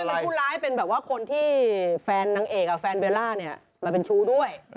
เป็นผู้ร้ายเป็นแบบว่าคนที่แฟนนางเอกแฟนเบลล่าเนี่ยมาเป็นชู้ด้วย